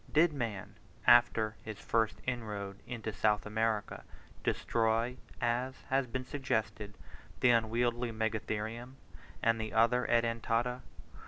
Did man, after his first inroad into South America, destroy, as has been suggested, the unwieldy Megatherium and the other Edentata?